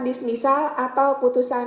dismisal atau putusan